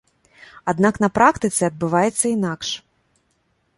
Аднак на практыцы адбываецца інакш.